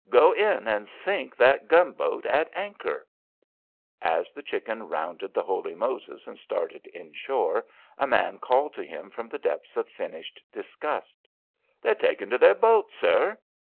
"Go in and sink that gunboat at anchor." As the Chicken rounded the Holy Moses and started inshore, a man called to him from the depths of finished disgust. "They're takin' to their boats, sir."